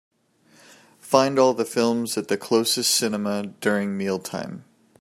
Find all the films at the closestcinema during meal time.